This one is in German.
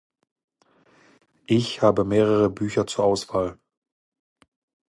Ich habe mehrere Bücher zur Auswahl.